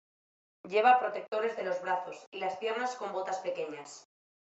Lleva protectores de los brazos y las piernas con botas pequeñas.